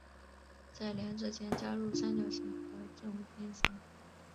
在两者间加入三角形和正五边形。